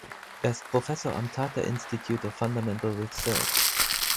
Er ist Professor am Tata Institute of Fundamental Research.